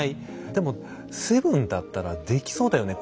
でも「７」だったらできそうだよね。